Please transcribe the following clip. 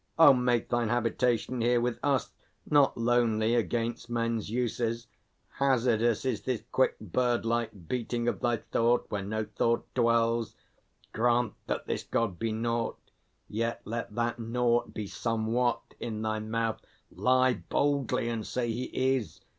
Oh, make thine habitation here with us, Not lonely, against men's uses. Hazardous Is this quick bird like beating of thy thought Where no thought dwells. Grant that this God be naught, Yet let that Naught be Somewhat in thy mouth; Lie boldly, and say He Is!